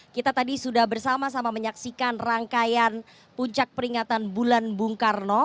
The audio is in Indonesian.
kita tadi sudah bersama sama menyaksikan rangkaian puncak peringatan bulan bung karno